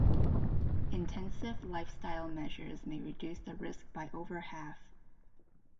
Intensive lifestyle measures may reduce the risk by over half.